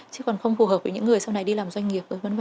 chứ còn không phù hợp với những người sau này đi làm doanh nghiệp v v